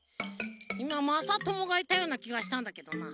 いままさともがいたようなきがしたんだけどな。